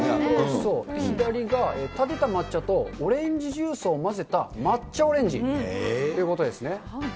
左が、たてた抹茶とオレンジジュースを混ぜた抹茶オレンジということですね。